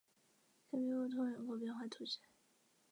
香槟穆通人口变化图示